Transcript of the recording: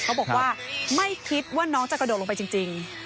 เขาบอกว่าไม่คิดว่าน้องจะกระโดดลงไปจริง